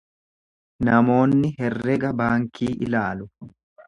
Namoonni herrega baankii ilaalu.